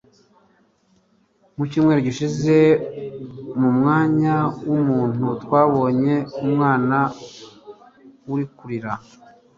icyumweru gishize mumwanya wumuntu twabonye umwana uri kurira